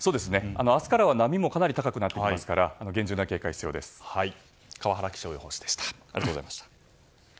明日からは波もかなり高くなりますから川原気象予報士でした。